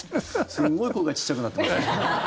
すんごい声が小っちゃくなってますけど。